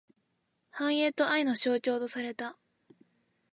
繁栄と愛の象徴とされた。